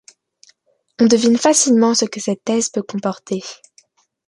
On devine facilement ce que cette thèse peut comporter.